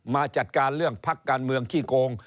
มาจัดการเรื่องพักการเมืองขี้โกง